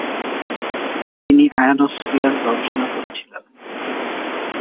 তিনি আয়নোস্ফিয়ার গবেষণা করেছিলেন।